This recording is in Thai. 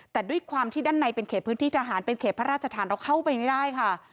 แต่ด้วยความที่ด้านในเป็นเขตพื้นที่ทหารเป็นเขตพระราชฐานเราเข้าไปไม่ได้ค่ะ